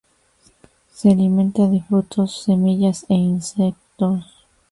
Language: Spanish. Se alimenta de frutos, semillas e insectos.